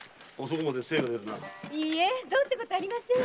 どうってことありません。